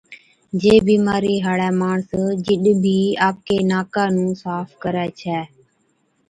جي بِيمارِي هاڙَي ماڻس جِڏ بِي آپڪي ناڪان نُون صاف ڪرَي ڇَي،